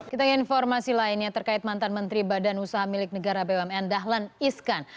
kita ke informasi lainnya terkait mantan menteri badan usaha milik negara bumn dahlan iskan